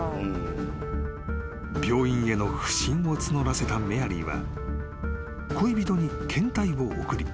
［病院への不信を募らせたメアリーは恋人に検体を送り］